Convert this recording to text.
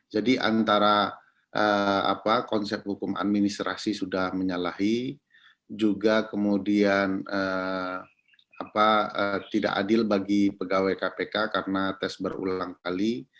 jadi antara konsep hukum administrasi sudah menyalahi juga kemudian tidak adil bagi pegawai kpk karena tes berulang kali